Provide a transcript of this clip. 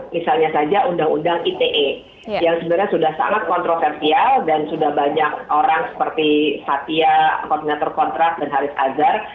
misalnya saja undang undang ite yang sebenarnya sudah sangat kontroversial dan sudah banyak orang seperti satya koordinator kontrak dan haris azhar